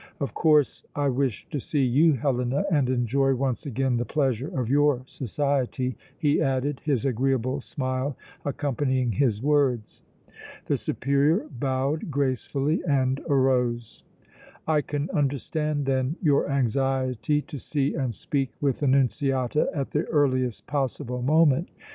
"Of course, I wished to see you, Helena, and enjoy once again the pleasure of your society," he added, his agreeable smile accompanying his words. The Superior bowed gracefully and arose. "I can understand then your anxiety to see and speak with Annunziata at the earliest possible moment.